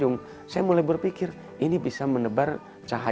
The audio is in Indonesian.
pertama kali saya mulai berpikir lebih selamat bean tiga puluh tahun